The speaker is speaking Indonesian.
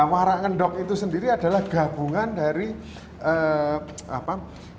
warak ngendok itu sendiri adalah gabungan dari apa